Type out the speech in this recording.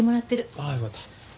ああよかった。